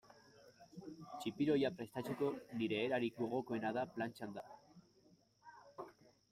Txipiroia prestatzeko nire erarik gogokoena da plantxan da.